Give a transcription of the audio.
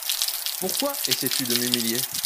Pourquoi essaies-tu de m'humilier ?